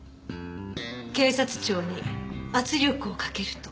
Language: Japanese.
警察庁に圧力をかけると？